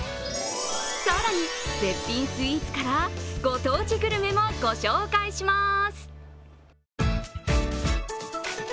更に絶品スイーツからご当地グルメもご紹介します。